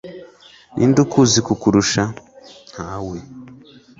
ninde ukuzi kukurusha